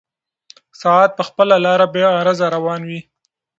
ساعت به په خپله لاره بېغرضه روان وي.